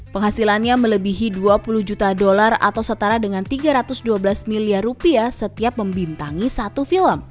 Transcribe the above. penghasilannya melebihi dua puluh juta dolar atau setara dengan tiga ratus dua belas miliar rupiah setiap membintangi satu film